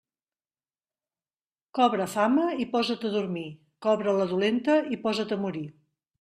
Cobra fama i posa't a dormir; cobra-la dolenta i posa't a morir.